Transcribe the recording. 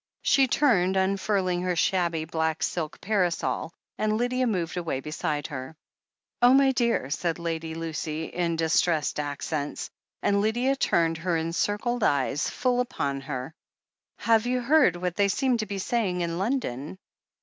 She turned, unfurling her shabby black silk parasol, and Lydia moved away beside her. "Oh, my dear," said Lady Lucy in distressed ac cents — and Lydia turned her encircled eyes full upon 378 THE HEEL OF ACHILLES her — "have you heard what they seem to be saying in London?